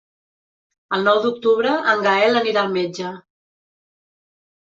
El nou d'octubre en Gaël anirà al metge.